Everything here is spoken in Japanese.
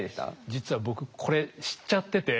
実は僕これ知っちゃってて。